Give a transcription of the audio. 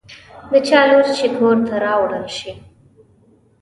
د چا لور چې کور ته راوړل شي.